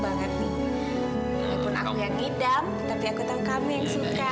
banget nih walaupun aku yang ngidam tapi aku tahu kamu yang suka